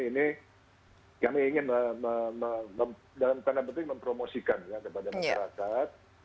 ini kami ingin dalam tanda penting mempromosikan kepada masyarakat